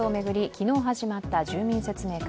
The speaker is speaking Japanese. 昨日、始まった住民説明会。